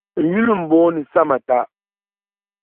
N yuli m-booni Samata.